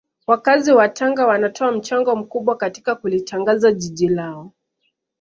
Wakazi wa Tanga wanatoa mchango mkubwa katika kulitangaza jiji lao